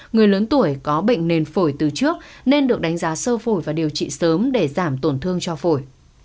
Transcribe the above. người lớn tuổi có bệnh nền phổi từ trước nên được đánh giá sơ phổi và điều trị sớm để giảm tổn thương cho phổi